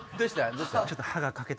どうした？